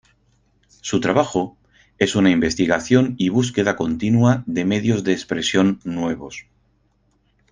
Su trabajo es una investigación y búsqueda continua de medios de expresión nuevos.